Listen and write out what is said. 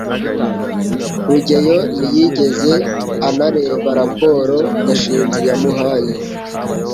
rugeyo ntiyigeze anareba raporo gashinzi yamuhaye